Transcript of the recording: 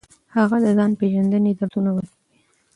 هغه د ځان پیژندنې درسونه ورکوي.